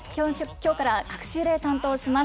きょうから隔週で担当します。